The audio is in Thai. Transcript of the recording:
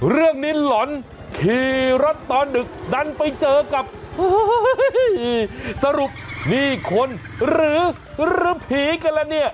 หลอนขี่รถตอนดึกดันไปเจอกับสรุปนี่คนหรือผีกันละเนี่ย